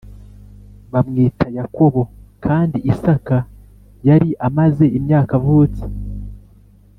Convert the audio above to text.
bamwita Yakobo Kandi Isaka yari amaze imyaka avutse.